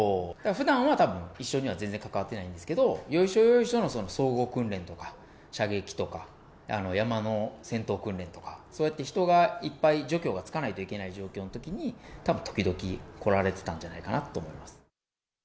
ふだんはたぶん、一緒には全然関わってないんですけど、要所要所の総合訓練とか、射撃とか、山の戦闘訓練とか、そうやって人がいっぱい、助教がつかないといけない状況のときに、たぶん、時々来られてたんじゃないかなと思います。